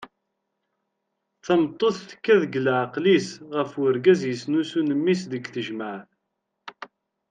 Tameṭṭut tekka deg leɛqel-is ɣef urgaz yesnusun mmi-s deg tejmeɛt!